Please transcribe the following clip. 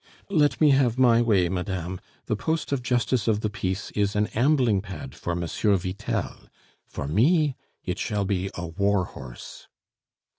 "Let me have my way, madame. The post of justice of the peace is an ambling pad for M. Vitel; for me it shall be a war horse."